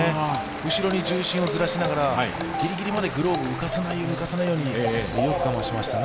後ろに重心をずらしながらギリギリまでグローブを浮かさないよう、浮かさないようよく我慢しましたね。